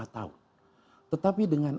empat tahun tetapi dengan